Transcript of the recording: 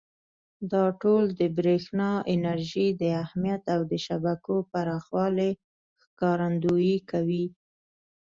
دا ټول د برېښنا انرژۍ د اهمیت او د شبکو پراخوالي ښکارندویي کوي.